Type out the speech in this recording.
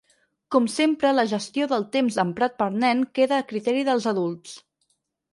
Com sempre la gestió del temps emprat per nen queda a criteri dels adults.